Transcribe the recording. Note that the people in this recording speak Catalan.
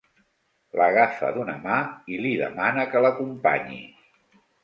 L'agafa d'una mà i li demana que l'acompanyi.